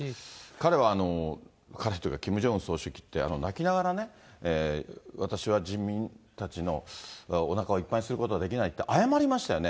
彼は、彼というかキム・ジョンウン総書記って、泣きながらね、私は人民たちのおなかをいっぱいにすることはできないって謝りましたよね。